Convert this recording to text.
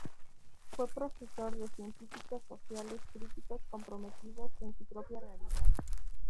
Fue profesor de científicos sociales críticos, comprometidos con su propia realidad.